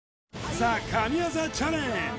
ＴＨＥ神業チャレンジ